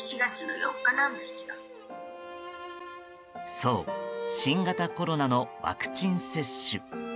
そう、新型コロナのワクチン接種。